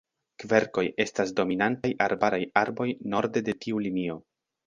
Kverkoj estas dominantaj arbaraj arboj norde de tiu linio.